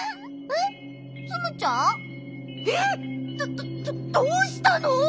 どどどうしたの！？